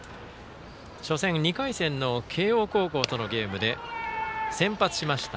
初戦、２回戦の慶応高校とのゲームで先発しました。